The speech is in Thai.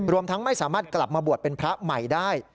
ทั้งไม่สามารถกลับมาบวชเป็นพระใหม่ได้